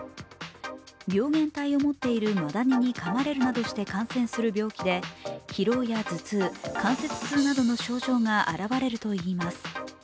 病原体を持っているマダニにかまれるなどして感染する病気で疲労や頭痛、関節痛などの症状が現れるといいます。